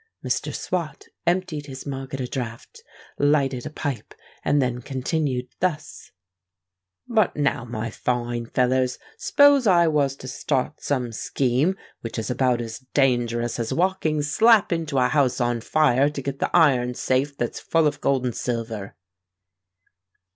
Mr. Swot emptied his mug at a draught, lighted a pipe, and then continued thus:— "But now, my fine fellers, s'pose I was to start some scheme which is about as dangerous as walking slap into a house on fire to get the iron safe that's full of gold and silver?"